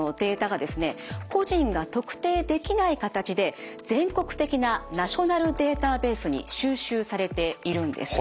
個人が特定できない形で全国的なナショナルデータベースに収集されているんです。